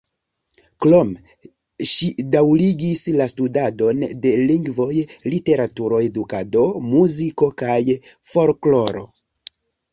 Krome ŝi daŭrigis la studadon de lingvoj, literaturo, edukado, muziko kaj folkloro.